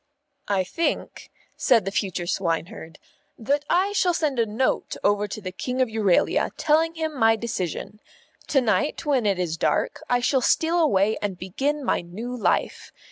"I think," said the future swineherd, "that I shall send a Note over to the King of Euralia, telling him my decision. To night, when it is dark, I shall steal away and begin my new life.